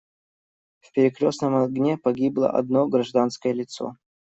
В перекрёстном огне погибло одно гражданское лицо.